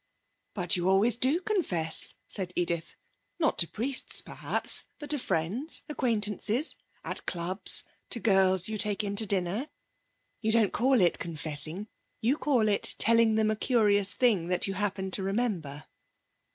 'But you always do confess,' said Edith, 'not to priests, perhaps, but to friends; to acquaintances, at clubs, to girls you take in to dinner. You don't call it confessing, you call it telling them a curious thing that you happen to remember.'